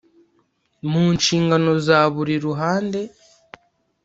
Munshingano za buri ruhande